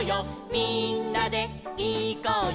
みんなでいこうよ」